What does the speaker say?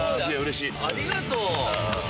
ありがとう。